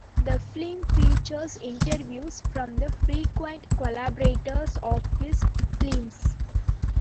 The film features interviews from the frequent collaborators of his films.